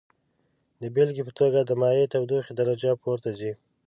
د بیلګې په توګه د مایع تودوخې درجه پورته ځي.